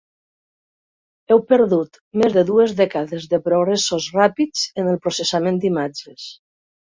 Heu perdut més de dues dècades de progressos ràpids en el processament d'imatges.